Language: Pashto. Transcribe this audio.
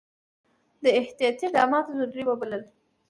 ده احتیاطي اقدامات ضروري وبلل.